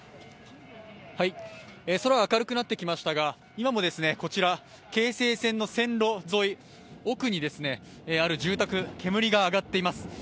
空は明るくなってきましたが今も京成線の線路沿い奥にある住宅煙が上がっています。